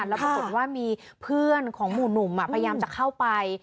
แล้วปรากฏว่ามีเพื่อนของหมู่หนุ่มพยายามจะเข้าไป